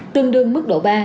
tương đương mức độ ba